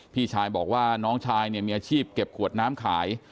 พี่ชายบอกว่าน้องชายเนี่ยมีอาชีพเก็บขวดน้ำขาย